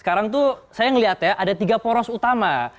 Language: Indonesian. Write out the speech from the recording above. sekarang tuh saya melihat ya ada tiga poros utama